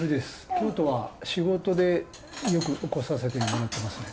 京都は仕事でよく来させてもらっていますね。